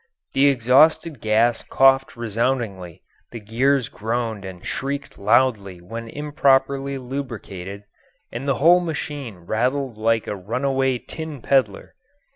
The exhausted gas coughed resoundingly, the gears groaned and shrieked loudly when improperly lubricated, and the whole machine rattled like a runaway tin peddler.